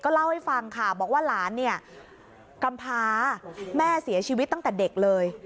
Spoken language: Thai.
เล่าให้ฟังค่ะบอกว่าหลานเนี่ยกำพาแม่เสียชีวิตตั้งแต่เด็กเลย